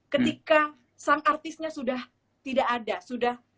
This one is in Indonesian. ketika sang artisnya sudah tidak ada